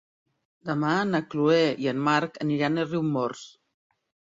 Demà na Chloé i en Marc aniran a Riumors.